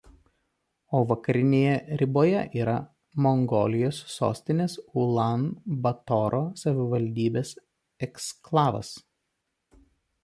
O vakarinėje riboje yra Mongolijos sostinės Ulan Batoro savivaldybės eksklavas.